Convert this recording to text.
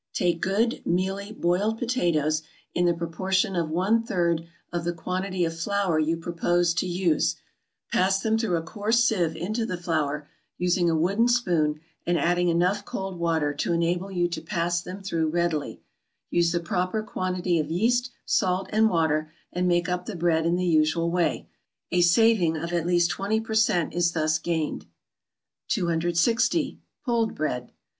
= Take good, mealy boiled potatoes, in the proportion of one third of the quantity of flour you propose to use, pass them through a coarse sieve into the flour, using a wooden spoon and adding enough cold water to enable you to pass them through readily; use the proper quantity of yeast, salt, and water, and make up the bread in the usual way. A saving of at least twenty per cent is thus gained. 260. =Pulled Bread.